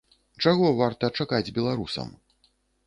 Чаго варта чакаць беларусам?